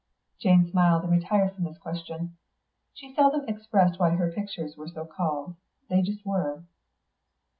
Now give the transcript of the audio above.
Jane smiled and retired from this question. She seldom explained why her pictures were so called; they just were.